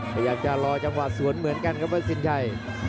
พยายามจะรอจังหวะสวนเหมือนกันครับว่าสินชัย